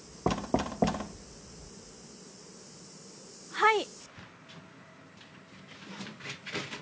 はい。